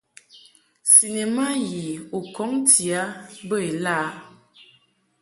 Cinema yi u kɔŋ ti a bə ilaʼ ?